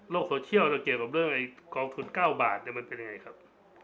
โซเชียลจะเกี่ยวกับเรื่องกองทุน๙บาทมันเป็นยังไงครับ